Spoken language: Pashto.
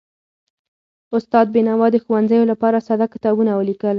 استاد بینوا د ښوونځیو لپاره ساده کتابونه ولیکل.